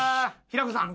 平子さん。